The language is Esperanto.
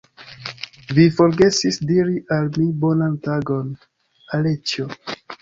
Vi forgesis diri al mi bonan tagon, Aleĉjo!